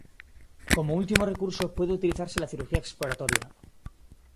Como último recurso, puede utilizarse la cirugía exploratoria.